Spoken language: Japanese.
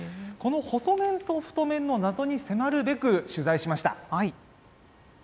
この細麺と太麺の謎に迫るべく、取材しました。